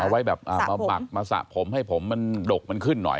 ไว้แบบมาบักมาสระผมให้ผมมันดกมันขึ้นหน่อย